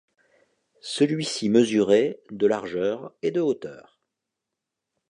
Celui-ci mesurait de largeur et de hauteur.